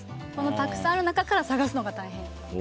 たくさんある中から探すのが大変。